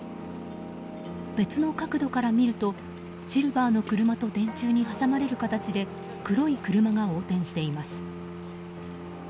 別の角度から見るとシルバーの車と電柱に挟まれる形で黒い車が横転しています。